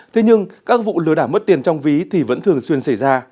thế nhưng các vụ lừa đảo mất tiền trong ví thì vẫn thường xuyên xảy ra